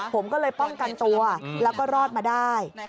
ผมก็เลยป้องกันตัวแล้วก็รอดมาได้